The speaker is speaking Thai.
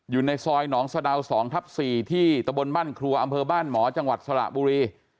อยู่ในซอยหนองสะดาว๒ทับ๔ที่ตะบนบ้านครัวอำเภอบ้านหมอจังหวัดสระบุรี